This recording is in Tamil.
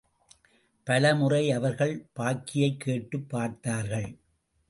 பலமுறை அவர்கள் பாக்கியை கேட்டுப் பார்த்தார்கள்.